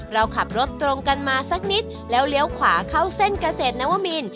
เราขับรถตรงกันมาสักนิดแล้วเลี้ยวขวาเข้าเส้นเกษตรนวมิน